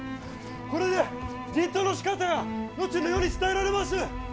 これで人痘のしかたは後の世に伝えられます！